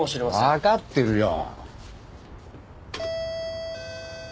わかってるよ。